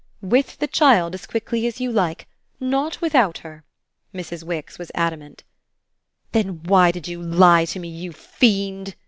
"With the child as quickly as you like. Not without her." Mrs. Wix was adamant. "Then why did you lie to me, you fiend?"